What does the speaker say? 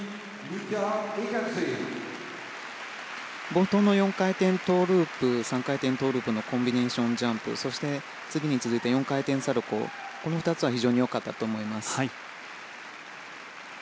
冒頭の４回転トウループ３回転トウループのコンビネーションジャンプそして次に続いた４回転サルコウの２つは非常に良かったと思います。